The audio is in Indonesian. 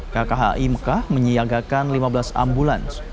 kkhi mekah menyiagakan lima belas ambulans